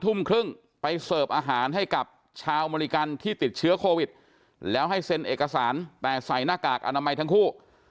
ทุ่มครึ่งไปเสิร์ฟอาหารให้กับชาวอเมริกันที่ติดเชื้อโควิดแล้วให้เซ็นเอกสารแต่ใส่หน้ากากอนามัยทั้งคู่